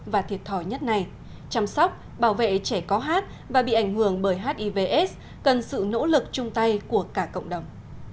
và thiệt thòi nhất này chăm sóc bảo vệ trẻ có hát và bị ảnh hưởng bởi hiv aids cần sự nỗ lực chung tay của cả cộng đồng